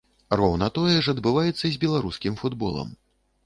Роўна тое ж адбываецца з беларускім футболам.